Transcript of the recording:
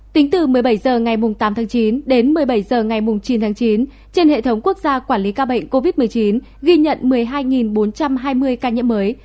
tính từ một mươi bảy h ngày tám tháng chín đến một mươi bảy h ngày chín tháng chín trên hệ thống quốc gia quản lý ca bệnh covid một mươi chín ghi nhận một mươi hai bốn trăm hai mươi ca nhiễm mới